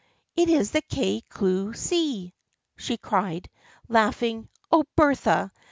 " It is the Kay Cue See !" she cried, laughing. " Oh, Bertha